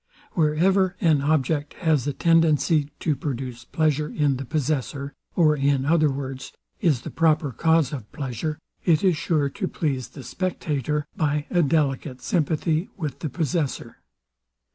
Wherever an object has a tendency to produce pleasure in the possessor, or in other words, is the proper cause of pleasure, it is sure to please the spectator, by a delicate sympathy with the possessor.